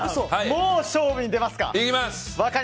もう勝負に出ますか。